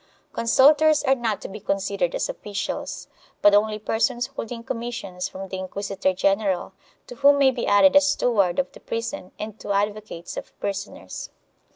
Consul tors are not to be considered as officials, but only persons holding com missions from the inquisitor general, to whom may be added a steward of the prison and two advocates of prisoners.